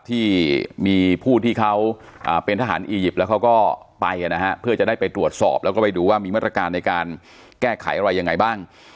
ที่มีผู้ที่เขาเป็นทหารอียิปต์แล้วเขาก็ไปนะฮะเพื่อจะได้ไปตรวจสอบแล้วก็ไปดูว่ามีมาตรการในการแก้ไขอะไรยังไงบ้าง